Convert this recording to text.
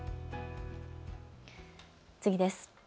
次です。